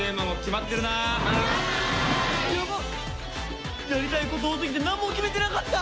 はーい！やばっやりたいこと多すぎてなんも決めてなかった！